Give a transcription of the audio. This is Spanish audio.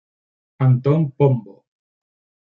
Antón Pombo.